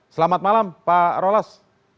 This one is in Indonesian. selamat malam pak rolas